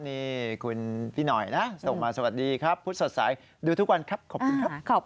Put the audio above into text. นี่คุณพี่หน่อยนะส่งมาสวัสดีครับพุธสดใสดูทุกวันครับขอบคุณครับ